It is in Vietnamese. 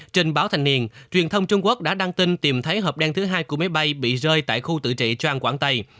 trên báo thành niên truyền thông trung quốc đã đăng tin tìm thấy hợp đen thứ hai của máy bay bị rơi tại khu tự trị trang quảng tây